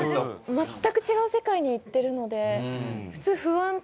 全く違う世界に行ってるので普通不安とか。